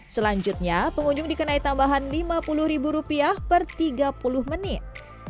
selanjutnya pengunjung dikenai tambahan rp lima puluh per tiga puluh menit